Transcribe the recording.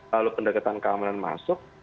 lalu pendekatan keamanan masuk